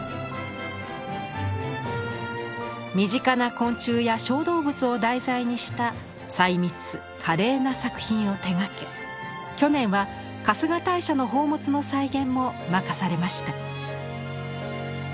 身近な昆虫や小動物を題材にした細密華麗な作品を手がけ去年は春日大社の宝物の再現も任されました。